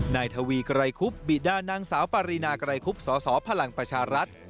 นายทวีไกรคุบบิดานางสาวปารีนาไกรคุบสสพลังประชารัฐ